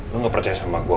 lo gak percaya sama gue